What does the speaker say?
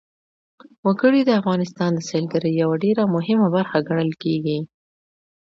وګړي د افغانستان د سیلګرۍ یوه ډېره مهمه برخه ګڼل کېږي.